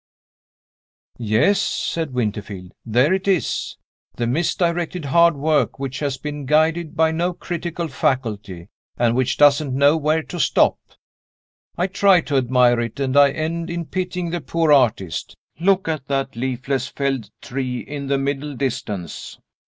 "Yes," said Winterfield, "there it is the misdirected hard work, which has been guided by no critical faculty, and which doesn't know where to stop. I try to admire it; and I end in pitying the poor artist. Look at that leafless felled tree in the middle distance.